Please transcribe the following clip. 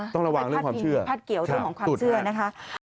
ไปพัดพิมีพัดเกี่ยวของความเชื่อนะฮะ